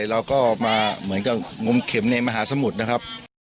เราก็มาเหมือนกับงมเข็มในมหาสมุทรนะครับ